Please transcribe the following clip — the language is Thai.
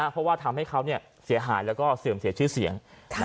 เพราะว่าทำให้เขาเสียหายแล้วก็เสื่อมเสียชื่อเสียง